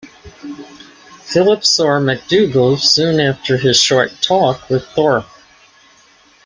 Philip saw MacDougall soon after his short talk with Thorpe.